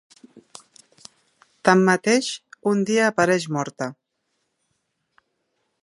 Tanmateix, un dia apareix morta.